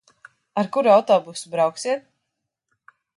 Ar kuru autobusu brauksiet?